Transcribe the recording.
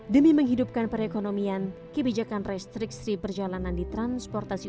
demi menghidupkan perekonomian kebijakan restriksi perjalanan di transportasi